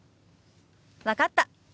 分かった。